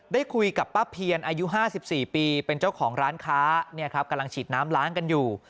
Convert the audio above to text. ได้คุยกับป้าเพียรอายุ๕๔ปีเป็นเจ้าของร้านค้ากำลังฉีดน้ำล้างกันอยู่